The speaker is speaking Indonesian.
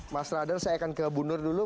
mas radar saya akan ke bu nur dulu